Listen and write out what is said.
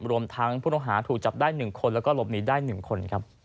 รวมทั้งผู้โทษหาถูกจับได้หนึ่งคนและลบหนีได้หนึ่งคน